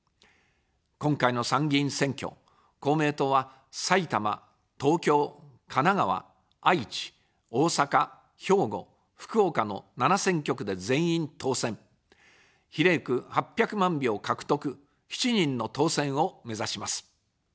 今回の参議院選挙、公明党は、埼玉・東京・神奈川・愛知・大阪・兵庫・福岡の７選挙区で全員当選、比例区８００万票獲得、７人の当選をめざします。